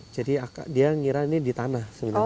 jadi dia ngira ini ditanah sebenarnya